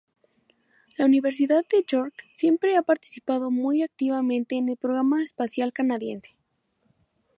La Universidad de York siempre ha participado muy activamente en el programa espacial canadiense.